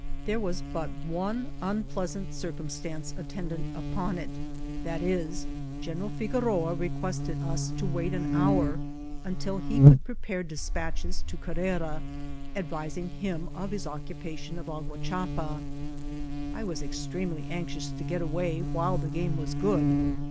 There was but one unpleasant circumstance attend ant upon it, viz., General Figoroa requested us to wait an hour, until he could prepare despatches to Carrera, advising him of his occupation of Aguachapa. I was extremely anxious to get away while the game was good.